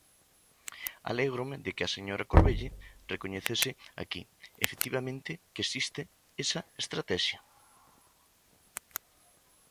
Alégrome de que a señora Corvelle recoñecese aquí, efectivamente, que existe esa estratexia.